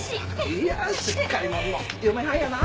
いやあしっかり者の嫁はんやな！